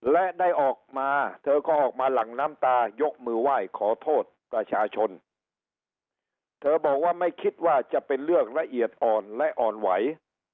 และได้ออกมาเธอก็ออกมาหลั่งน้ำตายกมือไหว้ขอโทษประชาชนเธอบอกว่าไม่คิดว่าจะเป็นเรื่องละเอียดอ่อนและอ่อนไหว